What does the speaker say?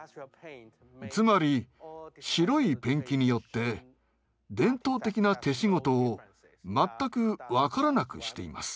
つまり白いペンキによって伝統的な手仕事を全く分からなくしています。